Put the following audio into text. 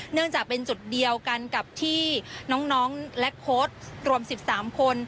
เนื่องจากเป็นจุดเดียวกันกับที่น้องและโค้ดรวม๑๓คน